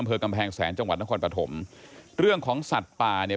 อำเภอกำแพงแสนจังหวัดนครปฐมเรื่องของสัตว์ป่าเนี่ย